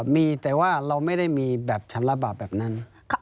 มีแต่ว่าเราไม่ได้มีแบบฉันระบาปแบบนั้น